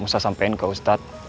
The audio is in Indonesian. musa sampein ke ustadz